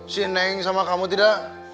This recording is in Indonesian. si neng sama kamu tidak